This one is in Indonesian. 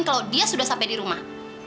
kalau dia sudah sampai di rumah